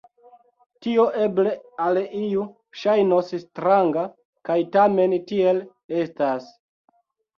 Tio eble al iu ŝajnos stranga, kaj tamen tiel estas.